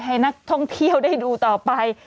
ให้นักท่องเที่ยวได้ดูต่อไป